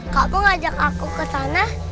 kau ngajak aku kesana